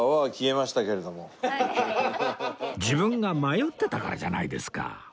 自分が迷ってたからじゃないですか